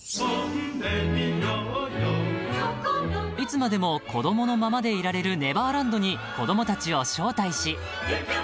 ［いつまでも子供のままでいられるネバーランドに子供たちを招待し］